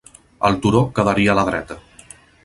El turó quedaria a la dreta.